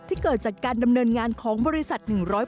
เกิดจากการดำเนินงานของบริษัท๑๐